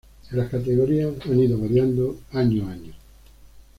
Las categorías han ido variando año a año.